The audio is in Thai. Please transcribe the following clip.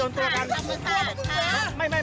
มันจอดอย่างง่ายอย่างง่ายอย่างง่ายอย่างง่าย